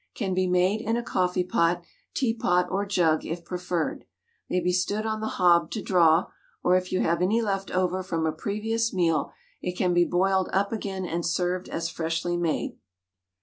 Can be made in a coffee pot, teapot, or jug if preferred. May be stood on the hob to draw; or if you have any left over from a previous meal it can be boiled up again and served as freshly made.